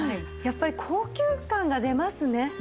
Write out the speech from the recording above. やっぱり高級感が出ますね。